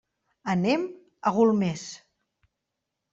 Anem a Golmés.